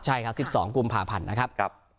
ใช่ครับ๑๒กุมภาพันธ์นะครับ